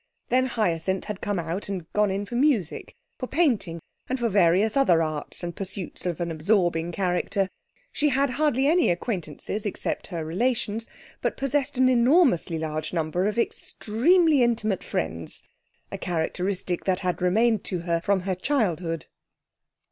Then Hyacinth had come out and gone in for music, for painting, and for various other arts and pursuits of an absorbing character. She had hardly any acquaintances except her relations, but possessed an enormously large number of extremely intimate friends a characteristic that had remained to her from her childhood.